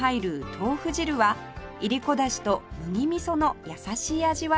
豆腐汁はいりこだしと麦みその優しい味わいです